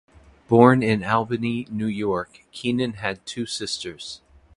Born in Albany, New York, Keenan had two sisters.